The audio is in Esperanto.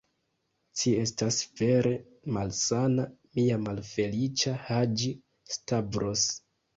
Ci estas vere malsana, mia malfeliĉa Haĝi-Stavros.